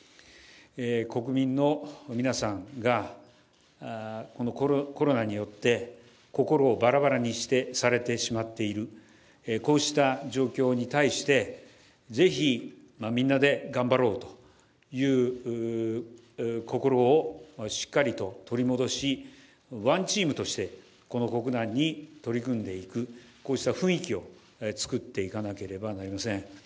国民の皆さんがコロナによって心をばらばらにされてしまっているこうした状況に対して、是非みんなで頑張ろうという心をしっかりと取り戻しワンチームとしてこの国難に取り組んでいく、こうした雰囲気をつくっていかなければなりません。